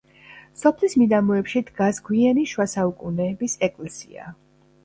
სოფლის მიდამოებში დგას გვიანი შუასაუკუნეების ეკლესია.